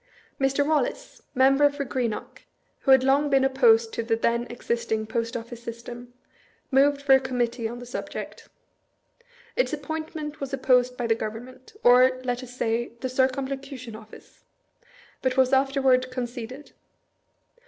Mr. Wallace, member for Greenock, who had long been opposed to the then existing Post Of&ce system, moved for a Committee on the subject. Its appointment was opposed by the Gov ernment — or, let us say, the Circumlocution Office — but was afterward conceded.